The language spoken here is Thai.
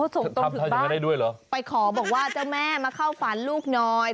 ส่งตรงถึงบ้างไปขอบอกว่าเจ้าแม่มาเข้าฝันลูกหน่อย